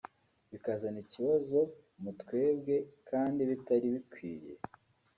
bikazana ikibazo mu twebwe kandi bitari bikwiye